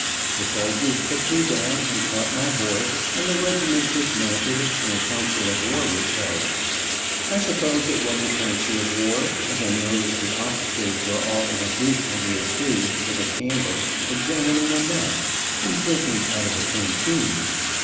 The soldiers took me down, and caught my horse, and the regiment dismounted and a council of war was held. I suppose it was a council of war, as I noticed the officers were all in a group under a tree, with a candle, examining a map, and drinking out of a canteen.